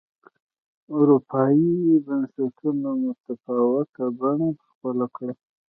اروپايي بنسټونو متفاوته بڼه خپله کړه.